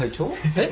えっ？